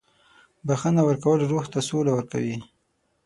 • بخښنه ورکول روح ته سوله ورکوي.